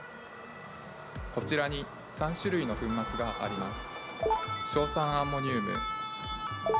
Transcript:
こちらに３種類の粉末があります。